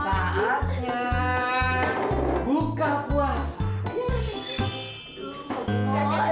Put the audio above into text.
saatnya buka puasa